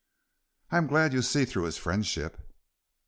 "I am glad you see through his friendship."